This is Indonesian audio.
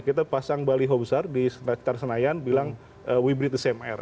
kita pasang bali hobzar di sekitar senayan bilang we breathe the same air